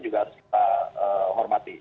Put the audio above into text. juga harus kita hormati